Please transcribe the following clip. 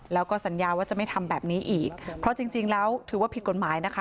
แล้วก็สัญญาว่าจะไม่ทำแบบนี้อีกเพราะจริงจริงแล้วถือว่าผิดกฎหมายนะคะ